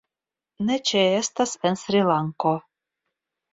Ne ĉeestas en Srilanko.